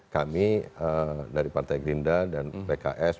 kami dari partai gerinda dan pks